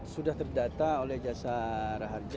sudah terdata oleh jasa raha harga